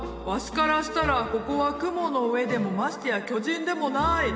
わしからしたらここは雲の上でもましてや巨人でもない。